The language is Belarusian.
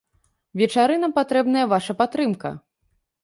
Вечарынам патрэбная вашая падтрымка!